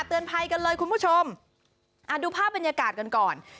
เตือนภัยกันเลยคุณผู้ชมอ่าดูภาพบรรยากาศกันก่อน